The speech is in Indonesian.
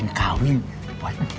believes suara lagi